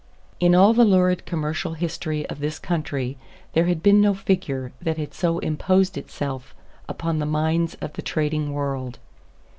In all the lurid commercial history of his country there had been no figure that had so imposed itself upon the mind of the trading world.